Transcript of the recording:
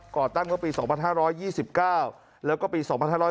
ก่อตั้งตั้งปี๒๕๒๙แล้วก็ปี๒๕๓๒